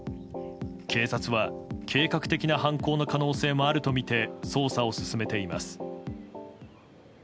警察は計画的な犯行の可能性もあるとみて捜査を進めています。